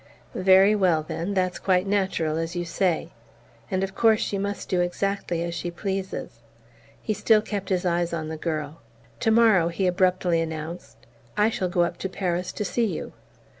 "Very well, then: that's quite natural, as you say. And of course she must do exactly as she pleases." He still kept his eyes on the girl. "Tomorrow," he abruptly announced, "I shall go up to Paris to see you."